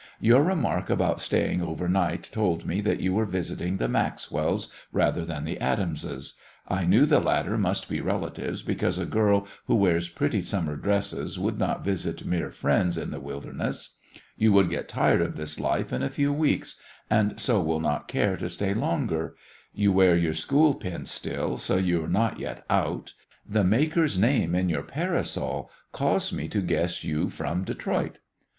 "Your remark about staying overnight told me that you were visiting the Maxwells rather than the Adamses; I knew the latter must be relatives, because a girl who wears pretty summer dresses would not visit mere friends in the wilderness; you would get tired of this life in a few weeks, and so will not care to stay longer; you wear your school pin still, so you are not yet 'out'; the maker's name in your parasol caused me to guess you from Detroit."